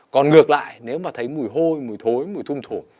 còn ngược lại nếu mà thấy mùi hôi mùi thối mùi trung thổ